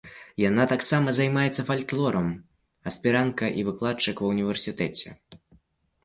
Яна таксама займаецца фальклорам, аспірантка і выкладчык ва ўніверсітэце.